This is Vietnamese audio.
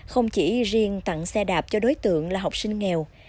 không chỉ riêng tặng xe đạp cho đối tượng là học sinh nghèo